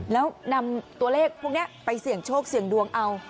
แล้วนำตัวเลขพวกนี้ไปเสี่ยงโชคเสี่ยงดวงเอา